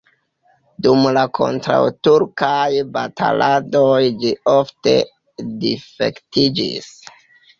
Dum la kontraŭturkaj bataladoj ĝi ofte difektiĝis.